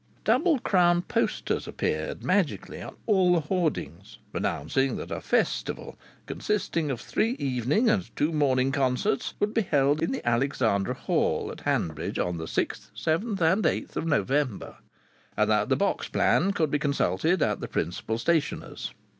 Double crown posters appeared magically on all the hoardings announcing that a Festival consisting of three evening and two morning concerts would be held in the Alexandra Hall, at Hanbridge, on the 6th, 7th and 8th November, and that the box plan could be consulted at the principal stationers.